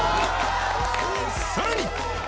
さらに！